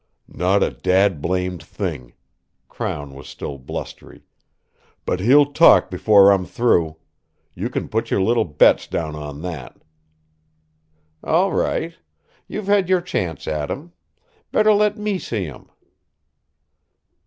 "Not a dad blamed thing!" Crown was still blustery. "But he'll talk before I'm through! You can put your little bets down on that!" "All right. You've had your chance at him. Better let me see him."